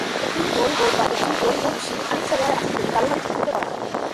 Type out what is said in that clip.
একটি ভইভোড বা একটি ভইভোডশিপ আইনসভার আসনগুলি গাঢ়ভাবে চিহ্নিত করা হয়।